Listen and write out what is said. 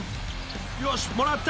「よしもらった！